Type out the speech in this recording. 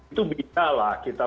itu bisa lah kita